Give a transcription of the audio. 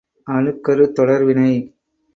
அணுக் கருத் தொடர் வினை.